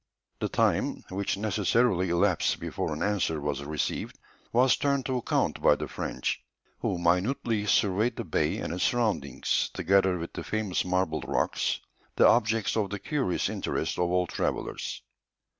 The time which necessarily elapsed before an answer was received was turned to account by the French, who minutely surveyed the bay and its surroundings, together with the famous marble rocks, the objects of the curious interest of all travellers.